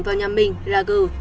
vào nhà mình là gờ